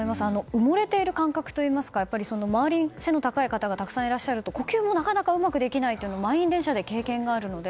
埋もれている感覚といいますか周りに背の高い方がたくさんいらっしゃると呼吸もなかなかうまくできないというのは満員電車で経験があるので。